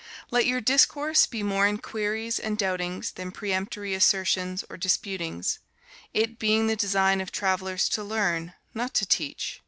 Let your discourse be more in querys and doubtings than peremptory assertions or disputings, it being the designe of travelers to learne, not to teach.